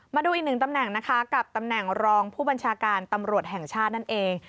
มาดูอีกหนึ่งตำแหน่งนะคะกับตำแหน่งรองผู้บัญชาการตำรวจแห่งชาตินั่นเอง